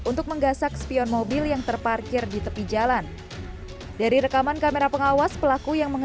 untuk menggasak spion mobil yang terparkir di tepi jalan dari rekaman kamera pengawas pelaku yang